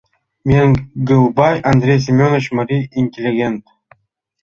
Менгылбай Андрей Семёныч — марий интеллигент.